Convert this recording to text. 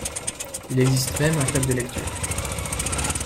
Il existe même un club de lecture.